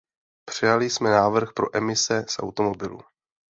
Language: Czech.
Přijali jsme návrh pro emise z automobilů.